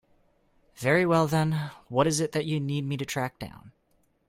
Very well then, what is it that you need me to track down?